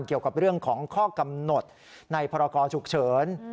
เกี่ยวกับเรื่องของข้อกำหนดในพรกรฉุกเฉิน